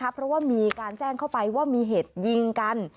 เพราะว่ามีการแจ้งเข้าไปว่ามีเหตุยิงกัน